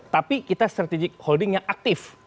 tapi kita strategic holding yang aktif